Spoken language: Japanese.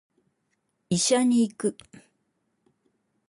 医者に行く